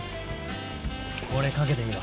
これかけてみろ。